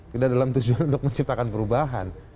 tidak dalam tujuan untuk menciptakan perubahan